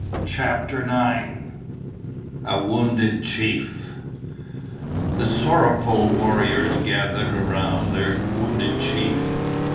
CHAPTER NINE A Wounded Chief The sorrowful warriors gathered around their wounded chief.